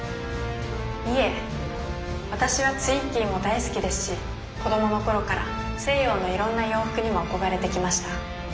いえ私はツイッギーも大好きですし子どもの頃から西洋のいろんな洋服にも憧れてきました。